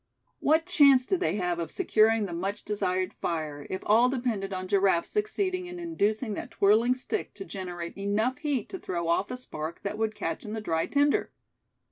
What chance did they have of securing the much desired fire, if all depended on Giraffe succeeding in inducing that twirling stick to generate enough heat to throw off a spark that would catch in the dry tinder?